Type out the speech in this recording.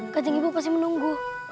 gajeng ibu pasti menunggu